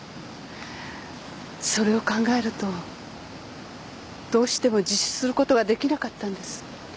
それを考えるとどうしても自首することができなかったんです。